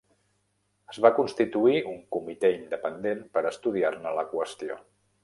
Es va constituir un comitè independent per estudiar-ne la qüestió.